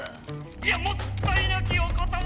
「いやもったいなきお言ば！